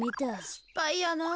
しっぱいやな。